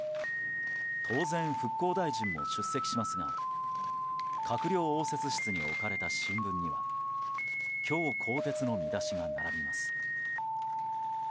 当然、復興大臣も出席しますが閣僚応接室に置かれた新聞には「きょう更迭」の見出しが並びます。